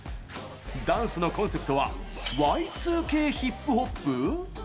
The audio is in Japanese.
ダンスのコンセプトはＹ２Ｋヒップホップ？